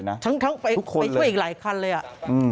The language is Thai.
เพราะทั้งเขาไปช่วยอีกหลายคันเลยอะ